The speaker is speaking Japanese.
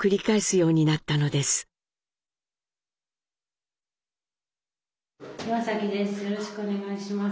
よろしくお願いします。